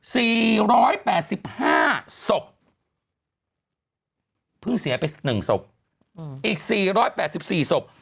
สี่ร้อยแปดสิบห้าศพเพิ่งเสียไปหนึ่งศพอืมอีกสี่ร้อยแปดสิบสี่ศพ